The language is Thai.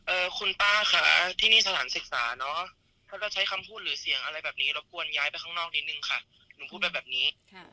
คุณป้าค่ะที่นี่สถานศึกษาเนอะถ้าเราใช้คำพูดหรือเสียงอะไรแบบนี้รบกวนย้ายไปข้างนอกนิดนึงค่ะหนูพูดไปแบบนี้ค่ะ